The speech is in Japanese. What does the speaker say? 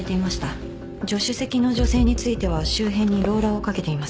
助手席の女性については周辺にローラーをかけています。